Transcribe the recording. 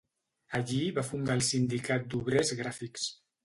Allí va fundar el Sindicat d'Obrers Gràfics.